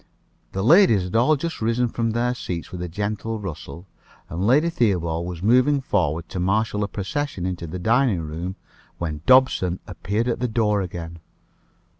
The ladies had all just risen from their seats with a gentle rustle, and Lady Theobald was moving forward to marshal her procession into the dining room, when Dobson appeared at the door again.